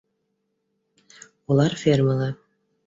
- Улар фермала